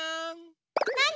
なに？